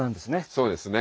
そうですね。